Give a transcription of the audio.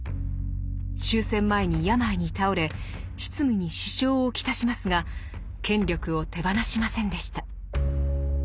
終戦前に病に倒れ執務に支障を来しますが権力を手放しませんでした。